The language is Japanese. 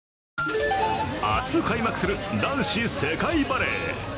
明日開幕する男子世界バレー。